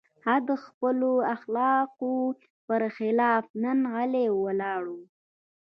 هغه د خپلو اخلاقو پر خلاف نن غلی ولاړ و.